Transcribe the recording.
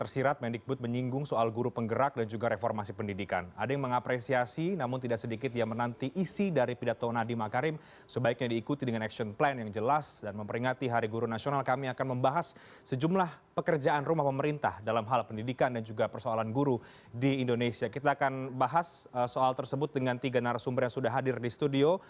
saya akan bahas soal tersebut dengan tiga narasumber yang sudah hadir di studio